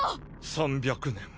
３００年。